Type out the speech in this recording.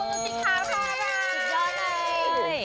สุดยอดเลย